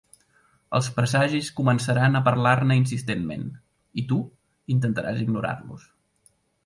Els presagis començaran a parlar-ne insistentment, i tu intentaràs ignorar-los.